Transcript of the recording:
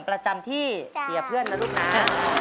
ประจำที่เสียเพื่อนนะลูกนะ